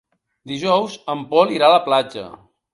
Dijous en Pol irà a la platja.